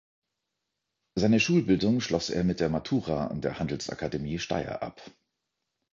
Seine Schulbildung schloss er mit der Matura an der Handelsakademie Steyr ab.